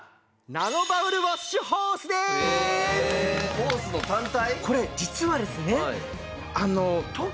ホースの単体？